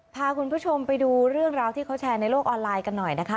พาคุณผู้ชมไปดูเรื่องราวที่เขาแชร์ในโลกออนไลน์กันหน่อยนะคะ